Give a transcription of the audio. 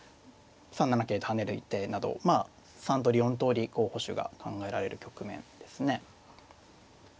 ３七桂と跳ねる一手などまあ３通り４通り候補手が考えられる局面ですね。